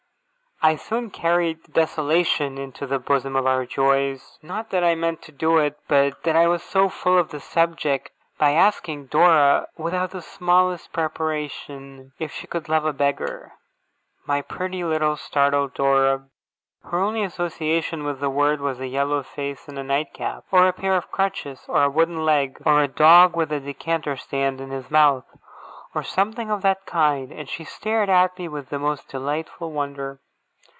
I soon carried desolation into the bosom of our joys not that I meant to do it, but that I was so full of the subject by asking Dora, without the smallest preparation, if she could love a beggar? My pretty, little, startled Dora! Her only association with the word was a yellow face and a nightcap, or a pair of crutches, or a wooden leg, or a dog with a decanter stand in his mouth, or something of that kind; and she stared at me with the most delightful wonder.